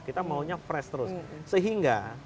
kita maunya fresh terus sehingga